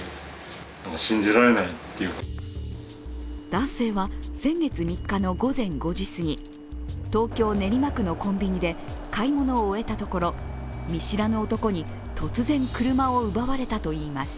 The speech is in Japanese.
男性は先月３日の午前５時すぎ、東京・練馬区のコンビニで買い物を終えたところ見知らぬ男に突然、車を奪われたといいます。